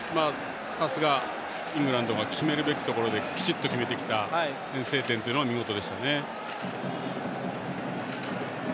さすが、イングランドが決めるべきところできちっと決めてきた先制点は見事ですね。